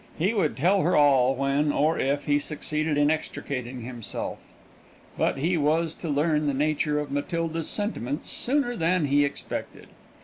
He would tell her all when, or if, he succeeded in extricating himself. But he was to learn the nature of Matilda's sentiments sooner than he expected.